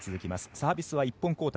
サービスは１本交代。